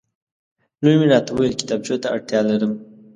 لور مې راته وویل کتابچو ته اړتیا لرم